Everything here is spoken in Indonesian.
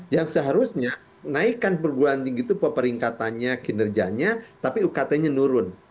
yang seharusnya naikan perguruan tinggi itu peperingkatannya kinerjanya tapi ukt nya nurun